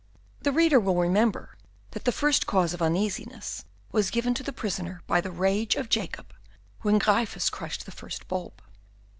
The reader will remember that the first cause of uneasiness was given to the prisoner by the rage of Jacob when Gryphus crushed the first bulb.